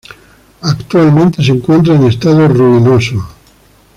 Actualmente se encuentra en estado ruinoso.